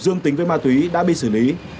dương tính với ma túy đã bị xử lý